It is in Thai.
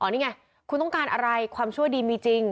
นี่ไงคุณต้องการอะไรความชั่วดีมีจริง